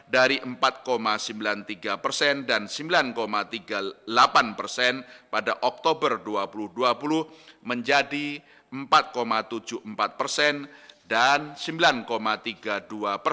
dari empat sembilan puluh tiga persen dan sembilan tiga puluh delapan persen pada oktober dua ribu dua puluh menjadi empat tujuh puluh empat persen dan sembilan tiga puluh dua persen